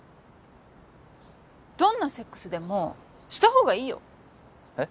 どんなセックスでもした方がいいよえっ？